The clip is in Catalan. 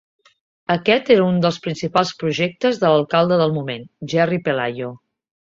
Aquest era un dels principals projectes de l'alcalde del moment, Jerry Pelayo.